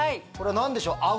これは何でしょう？